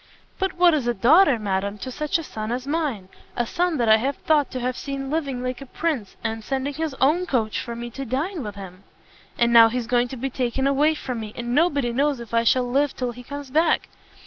"But what is a daughter, madam, to such a son as mine? a son that I thought to have seen living like a prince, and sending his own coach for me to dine with him! And now he's going to be taken away from me, and nobody knows if I shall live till he comes back.